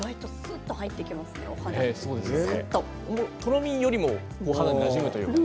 とろみよりもお肌になじむというかね。